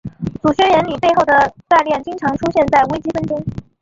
祖暅原理背后的概念经常出现在微积分中。